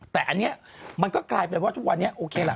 แต่อันนี้มันก็กลายเป็นว่าทุกวันนี้โอเคล่ะ